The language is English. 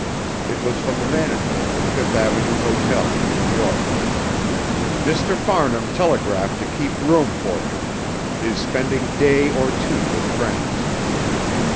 It was from the manager of the Fifth Avenue Hotel, in New York. "Mr. Farnham telegraphed to keep room for him. Is spending day or two with friends."